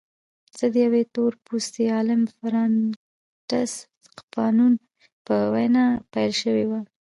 دا د یوه تور پوستي عالم فرانټس فانون په وینا پیل شوې وه.